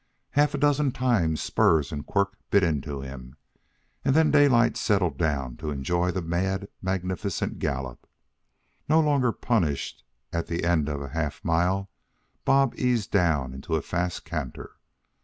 Half a dozen times spurs and quirt bit into him, and then Daylight settled down to enjoy the mad magnificent gallop. No longer punished, at the end of a half mile Bob eased down into a fast canter.